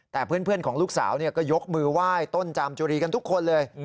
แต่เพื่อนของลูกสาวก็ยกมือไหว้ต้นจามจุรีกันทุกคนเลย